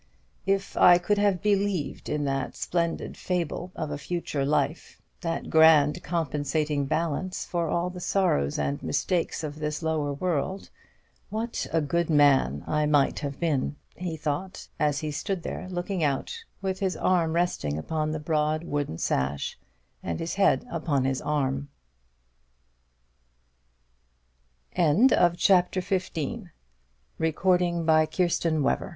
"If I could have believed in that splendid fable of a future life, that grand compensating balance for all the sorrows and mistakes of this lower world, what a good man I might have been!" he thought, as he stood there looking out, with his arm resting upon the broad wooden sash, and his head upon his arm. CHAPTER XVI. MR. LANSDELL RELATES AN ADVENTURE. The Tuesday was a fine